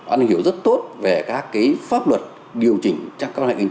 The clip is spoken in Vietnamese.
an hiểu rất tốt về các cái pháp luật điều chỉnh các quan hệ kinh tế